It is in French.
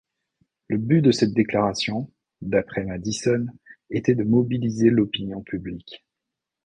Le but de cette déclaration, d'après Madison, était de mobiliser l'opinion publique.